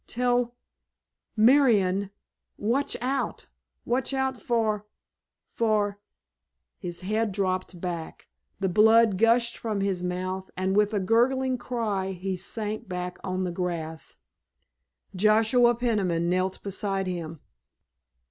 "Tell—Marian—watch out—watch out for—for——" his head dropped back, the blood gushed from his mouth, and with a gurgling cry he sank back on the grass. Joshua Peniman knelt beside him.